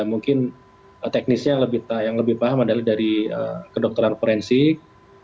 mungkin teknisnya yang lebih paham adalah dari kedokteran forensik